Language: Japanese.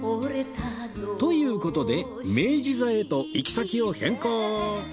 という事で明治座へと行き先を変更